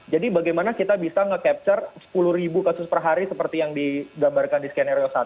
jadi bagaimana kita bisa nge capture sepuluh kasus per hari seperti yang digambarkan di skenario satu